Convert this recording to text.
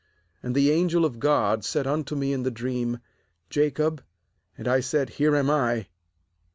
nAnd the angel of God said unto me in the dream: Jacob; and I said: Here am I.